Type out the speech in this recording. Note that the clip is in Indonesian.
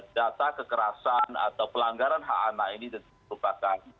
data kekerasan atau pelanggaran hak anak ini merupakan